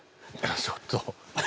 ちょっと。